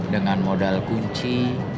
dengan modal kunci